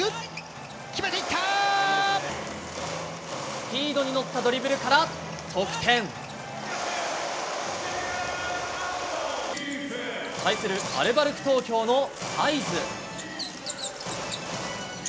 スピードに乗ったドリブルから得点。対するアルバルク東京のサイズ。